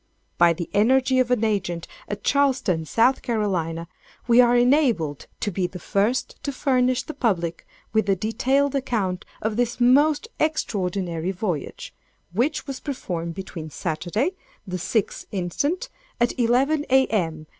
By the energy of an agent at Charleston, S.C., we are enabled to be the first to furnish the public with a detailed account of this most extraordinary voyage, which was performed between Saturday, the 6th instant, at 11, A.M.